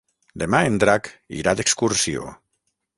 Demà en Drac irà d'excursió.